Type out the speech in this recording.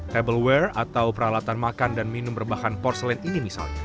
tableware atau peralatan makan dan minum berbahan porselen ini misalnya